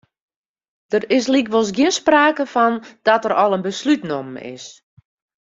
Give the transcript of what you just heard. Der is lykwols gjin sprake fan dat der al in beslút nommen is.